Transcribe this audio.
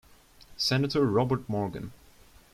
Senator Robert Morgan.